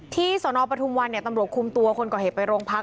ที่สวนอบประธุมวันเนี่ยตำรวจคุมตัวคนก่อเหตุไปโรงพัก